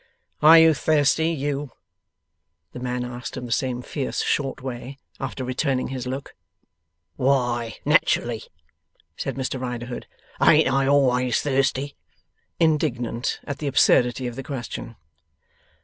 'Are you thirsty, you?' the man asked, in the same fierce short way, after returning his look. 'Why nat'rally,' said Mr Riderhood, 'ain't I always thirsty!' (Indignant at the absurdity of the question.)